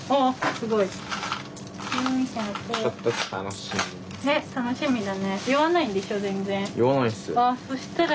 すごいわ。